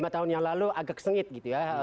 lima tahun yang lalu agak sengit gitu ya